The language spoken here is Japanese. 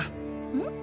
うん？